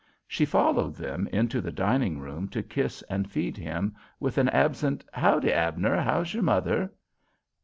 She followed them into the dining room to kiss and feed him, with an absent "Howdy, Abner; how's your mother?"